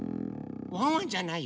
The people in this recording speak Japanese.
ワンワンじゃないよ。